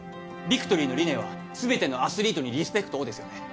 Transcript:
ビクトリーの理念は「すべてのアスリートにリスペクトを」ですよね